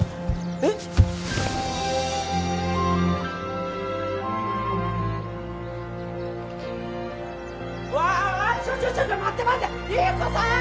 うわちょっちょっと待って待って流子さん！